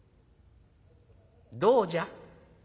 どうじゃ？